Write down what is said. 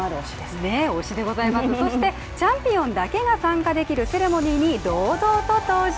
そしてチャンピオンだけが参加できるセレモニーに堂々と登場。